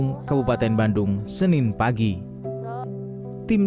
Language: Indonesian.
menurut rencana jenazah eril akan dimakamkan di cimau